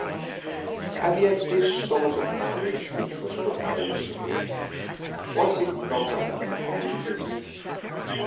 And yet this sort of marriage which was proposed to him, was it not an unholy business?